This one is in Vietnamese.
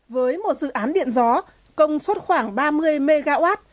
với một dự án điện gió công suất khoảng ba mươi mw